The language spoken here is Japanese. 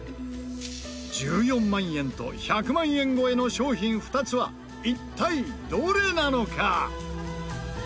１４万円と１００万円超えの商品２つは一体どれなのか？